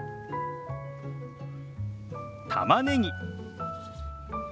たまねぎ。